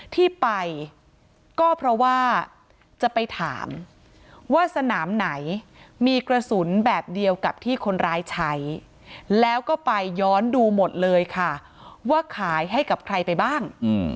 ที่ไปก็เพราะว่าจะไปถามว่าสนามไหนมีกระสุนแบบเดียวกับที่คนร้ายใช้แล้วก็ไปย้อนดูหมดเลยค่ะว่าขายให้กับใครไปบ้าง